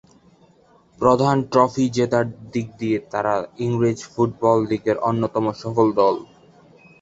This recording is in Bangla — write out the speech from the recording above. প্রধান ট্রফি জেতার দিক দিয়ে তারা ইংরেজ ফুটবল লিগের অন্যতম সফল দল।